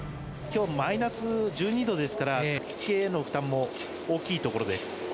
きょう、マイナス１２度ですから、呼吸器系への負担も大きいところです。